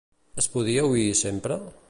Es podia oir sempre?